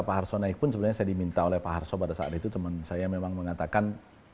pak harsona pun sebenarnya saya diminta oleh pak harso pada saat itu teman saya memang mengatakan